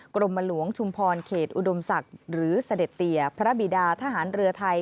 กรมหลวงชุมพรเขตอุดมศักดิ์หรือเสด็จเตียพระบิดาทหารเรือไทย